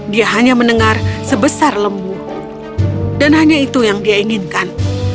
dia hanya mendengar sebesar lembu dan hanya itu yang dia inginkan